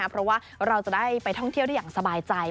เพราะว่าเราจะได้ไปท่องเที่ยวได้อย่างสบายใจ